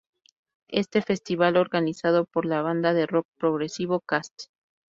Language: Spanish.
Este festival, organizado por la banda de rock progresivo: Cast.